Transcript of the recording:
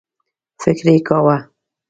فکر یې کاوه.